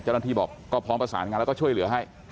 เจ้าหน้าที่บอกก็พร้อมประสานงานแล้วก็ช่วยเหลือให้